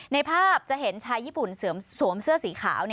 ในภาพจะเห็นชายญี่ปุ่นสวมเสื้อสีขาว